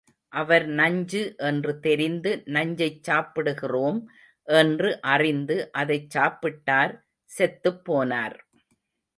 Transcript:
அவர் நஞ்சு என்று தெரிந்து நஞ்சைச் சாப்பிடுகிறோம் என்று அறிந்து அதைச் சாப்பிட்டார் செத்துப் போனார்.